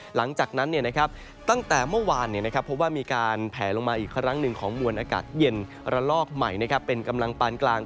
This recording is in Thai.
หลังจากนั้นตั้งแต่เมื่อวานพบว่ามีการแผลลงมาอีกครั้งหนึ่งของมวลอากาศเย็นระลอกใหม่เป็นกำลังปานกลาง